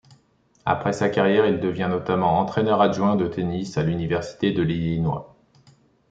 Après sa carrière, il devient notamment entraineur adjoint de tennis à l'Université de l'Illinois.